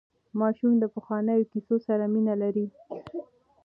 ماشومان د پخوانیو کیسو سره مینه لري.